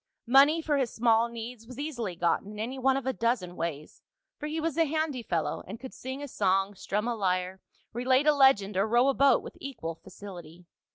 Money for his small needs was easily gotten in any one of a dozen ways, for he was a handy fellow, and could sing a song, strum a lyre, relate a legend or row a boat with equal facility.